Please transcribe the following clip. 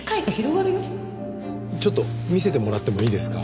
ちょっと見せてもらってもいいですか？